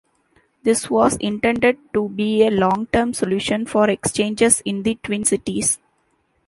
This was intended to be a long-term solution for exchanges in the Twin Cities.